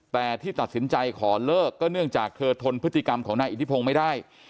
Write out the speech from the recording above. แต่ที่ตัดสินใจขอเลิกก็เนื่องจากเธอทนพฤติกรรมของนายอิทธิพงศ์ไม่ได้